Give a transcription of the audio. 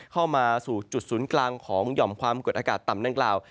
เข้ามาสู่จุดศูนย์กลางของหย่อมความกดอากาศต่ำดังกล่าว